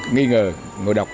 nghi ngờ ngồi đọc